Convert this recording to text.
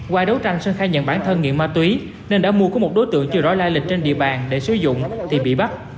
qua đấu tranh sơn khai nhận bản thân nghiện ma túy nên đã mua của một đối tượng chưa rõ lai lịch trên địa bàn để sử dụng thì bị bắt